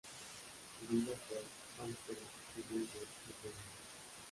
Su vida fue austera, humilde y frugal.